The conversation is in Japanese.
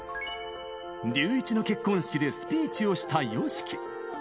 リュウイチの結婚式でスピーチをしたＹＯＳＨＩＫＩ。